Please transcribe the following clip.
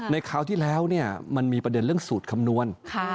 คราวที่แล้วมันมีประเด็นเรื่องสูตรคำนวณ